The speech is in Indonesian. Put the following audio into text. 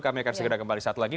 kami akan segera kembali saat lagi